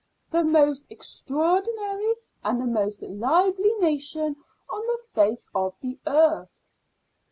"The most extraordinary and the most lively nation on the face of the earth."